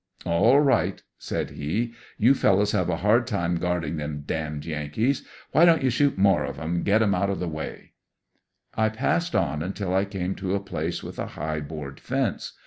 "All right," said he, "You fellows have a hard time guarding them d — d Yankees. Why don't you shoot more of 'em and get 'em out o' the way?" I passed onun til I came to a place with a high board fence.